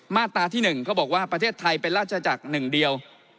มาตราที่๑เขาบอกว่าประเทศไทยเป็นราชจักรหนึ่งเดียว